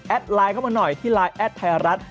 ไลน์เข้ามาหน่อยที่ไลน์แอดไทยรัฐ